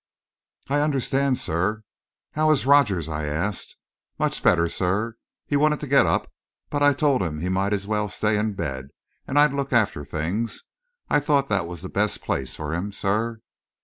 "I understand, sir." "How is Rogers?" I asked. "Much better, sir. He wanted to get up, but I told him he might as well stay in bed, and I'd look after things. I thought that was the best place for him, sir."